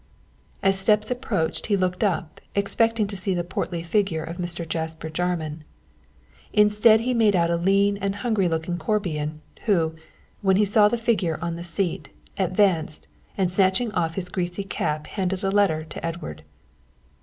As steps approached he looked up expecting to see the portly figure of Mr. Jasper Jarman. Instead, he made out a lean and hungry looking Corbian who, when he saw the figure on the seat, advanced, and snatching off his greasy cap handed a letter to Edward.